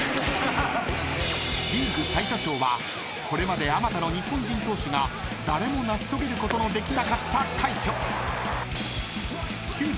［これまであまたの日本人投手が誰も成し遂げることのできなかった快挙］